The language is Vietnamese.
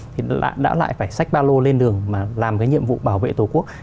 thì đã lại phải xách ba lô lên đường mà làm cái nhiệm vụ bảo vệ tổ quốc